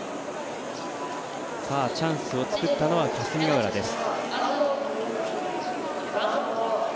チャンスを作ったのは霞ヶ浦です。